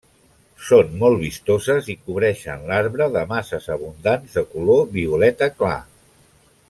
Són molt vistoses i cobreixen l'arbre de masses abundants de color violeta clar.